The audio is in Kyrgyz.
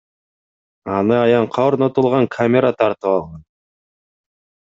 Аны аянтка орнотулган камера тартып алган.